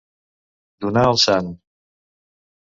Donar el sant.